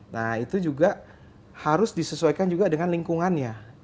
nah itu juga harus disesuaikan juga dengan lingkungannya